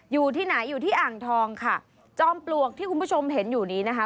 อยู่ที่ไหนอยู่ที่อ่างทองค่ะจอมปลวกที่คุณผู้ชมเห็นอยู่นี้นะคะ